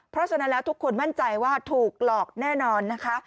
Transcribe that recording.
เพราะฉะนั้นแล้วทุกคนมั่นใจว่าถูกหลอกแน่นอนนะคะ